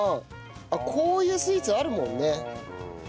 こういうスイーツあるもんね。